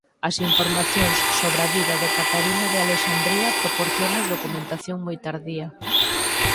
As informacións sobre a vida de Catarina de Alexandría proporciónaas documentación moi tardía.